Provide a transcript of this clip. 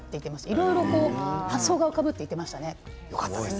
いろいろと発想が浮かぶと言ってました。